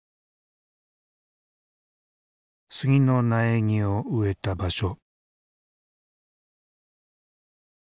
杉の苗木を植えた場所。